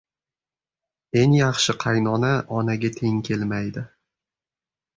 eng yaxshi qaynona onaga teng kelmaydi.